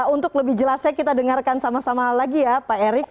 untuk lebih jelasnya kita dengarkan sama sama lagi ya pak erik